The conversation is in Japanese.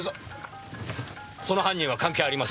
その犯人は関係ありません。